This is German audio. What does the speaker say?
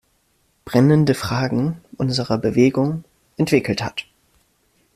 Brennende Fragen unserer Bewegung"“ entwickelt hat.